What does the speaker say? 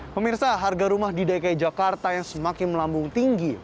pemirsa harga rumah di dki jakarta yang semakin melambung tinggi